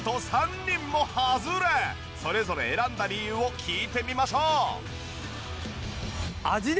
それぞれ選んだ理由を聞いてみましょう。